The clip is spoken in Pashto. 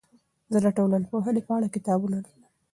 زه د ټولنپوهنې په اړه کتابونه لولم.